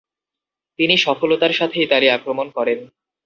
তিনি সফলতার সাথে ইতালি আক্রমণ করেন।